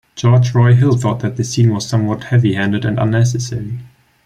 George Roy Hill thought that the scene was somewhat heavy-handed and unnecessary.